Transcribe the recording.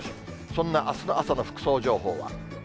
そんなあすの朝の服装情報は。